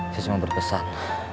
saya cuma berpesan